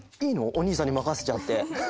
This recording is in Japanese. お兄さんにまかせちゃって。